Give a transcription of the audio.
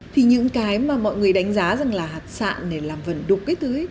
thì những cái mà mọi người đánh giá rằng là hạt sạn này làm vần đục cái thứ ấy